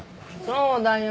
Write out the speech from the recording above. そうだよ。